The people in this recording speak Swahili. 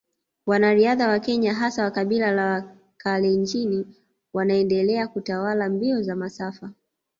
Wanariadha wa Kenya hasa wa kabila la Wakalenjin wanaendelea kutawala mbio za masafa